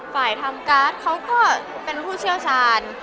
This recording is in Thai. ทำการ์ดเขาก็เป็นผู้เชี่ยวชาญ